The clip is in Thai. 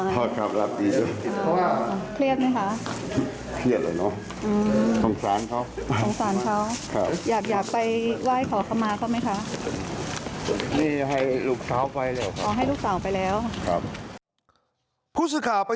พูดสิข่าวไปที่นี่นะครับ